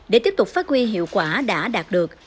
để tiếp tục phát huy hiệu quả đã đạt được